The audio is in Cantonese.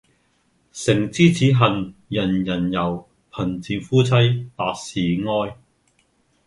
誠知此恨人人有，貧賤夫妻百事哀。